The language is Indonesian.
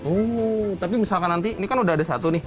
oh tapi misalkan nanti ini kan udah ada satu nih